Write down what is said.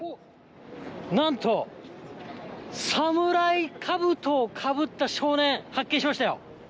なんとサムライかぶとをかぶった少年、発見しましたよ。